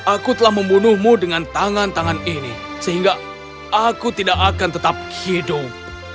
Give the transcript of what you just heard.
aku telah membunuhmu dengan tangan tangan ini sehingga aku tidak akan tetap hidup